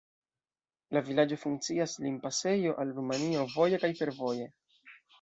La vilaĝo funkcias limpasejo al Rumanio voje kaj fervoje.